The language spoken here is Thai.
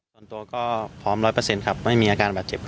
ส่วนตัวก็พร้อมร้อยเปอร์เซ็นต์ครับไม่มีอาการบาดเจ็บ